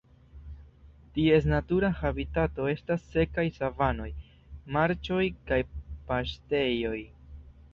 Ties natura habitato estas sekaj savanoj, marĉoj kaj paŝtejoj.